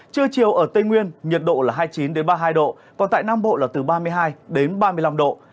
trưa chiều ở tây nguyên nhiệt độ là hai mươi chín ba mươi hai độ còn tại nam bộ là từ ba mươi hai ba mươi năm độ